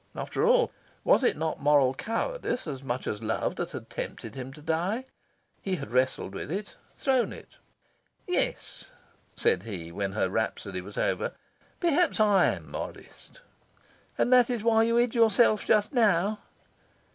After all, was it not moral cowardice as much as love that had tempted him to die? He had wrestled with it, thrown it. "Yes," said he, when her rhapsody was over, "perhaps I am modest." "And that is why you hid yourself just now?"